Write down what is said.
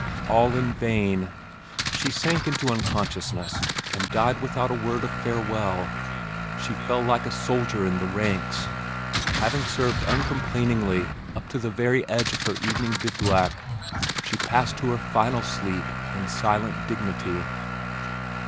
All in vain! She sank into unconsciousness and died without a word of farewell. She fell like a soldier in the ranks. Having served uncomplainingly up to the very edge of her evening bivouac, she passed to her final sleep in silent dignity.